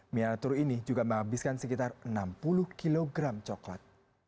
miniatur ini juga menghabiskan sekitar enam puluh kilogram coklat